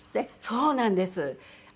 そうなんです。